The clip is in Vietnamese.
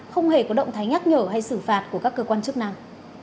không hề có động thái nhắc nhở hay xử phạt của các cơ quan chức năng